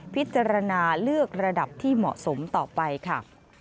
พิจารณาเลือกระดับที่เหมาะสมต่อไปค่ะ